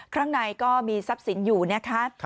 ข้างในก็มีทรัพย์สินอยู่นะคะ